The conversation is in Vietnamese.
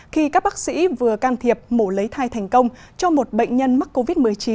khi các bác sĩ vừa can thiệp mổ lấy thai thành công cho một bệnh nhân mắc covid một mươi chín